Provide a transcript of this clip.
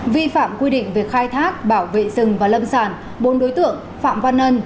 vi phạm quy định về khai thác bảo vệ rừng và lâm sản bốn đối tượng phạm văn ân